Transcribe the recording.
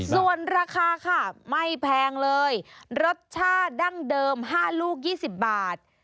ส่วนราคาค่ะไม่แพงเลยรสชาติดั้งเดิม๕ลูก๒๐บาท